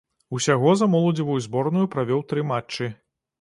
Усяго за моладзевую зборную правёў тры матчы.